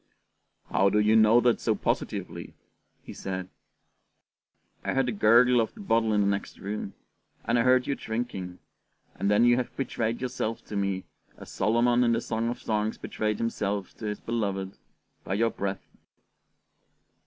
"How do you know that so positively?" he said. "I heard the gurgle of the bottle in the next room, and I heard you drinking, and then you have betrayed yourself to me, as Solomon in the Song of Songs betrayed himself to his beloved, by your breath."